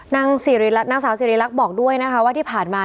นางสาวสิริรักษ์บอกด้วยนะคะว่าที่ผ่านมา